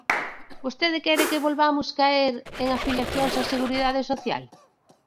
¿Vostede quere que volvamos caer en afiliacións á Seguridade Social?